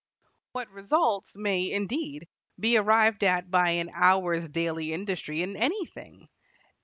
What results may, indeed, be arrived at by an hour's daily industry in anything!